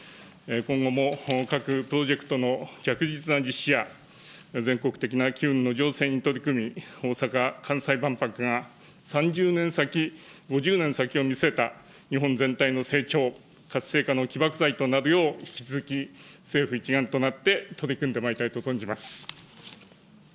今後も各プロジェクトの着実な実施や、全国的な機運の醸成に取り組み、大阪・関西万博が、３０年先、５０年先を見据えた日本全体の成長、活性化の起爆剤となるよう、引き続き政府一丸となって取り組んでまいりたいと存じます。